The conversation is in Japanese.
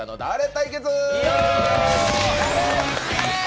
対決！